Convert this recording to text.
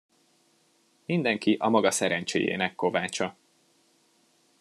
Mindenki a maga szerencséjének kovácsa.